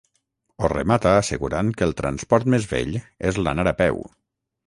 Ho remata assegurant que el transport més vell és l'anar a peu.